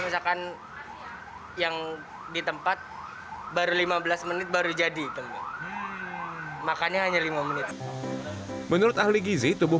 misalkan yang di tempat baru lima belas menit baru jadi makannya hanya lima menit menurut ahli gizi tubuh